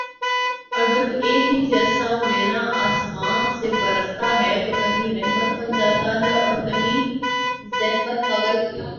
اور جب ایک ہی جیسا مینہ آسماں سے برستا ہے تو کہیں رحمت بن جاتا ہے اور کہیں زحمت مگر کیوں